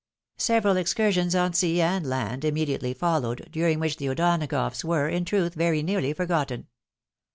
Several excursions on sea and land immediately followed, during which the O'Donagoughs were, in truth, very nearly forgotten.